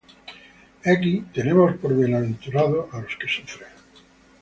He aquí, tenemos por bienaventurados á los que sufren.